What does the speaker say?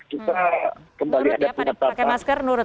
kita kembali ada pengetahuan